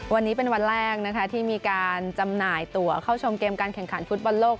วันนี้เป็นวันแรกนะคะที่มีการจำหน่ายตัวเข้าชมเกมการแข่งขันฟุตบอลโลก